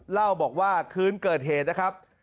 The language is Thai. เล่าบอกว่าคืนเกิดเหตุนะครับ